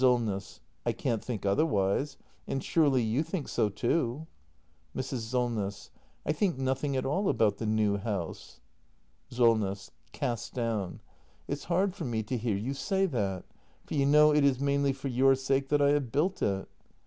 Solness. I can't think otherwise. And surely you think so too ? Mrs. Solness. I think nothing at all about the new house. Solness. [Cast down.] It's hard for me to hear you say that; for you know it is mainly for your sake that I have built it.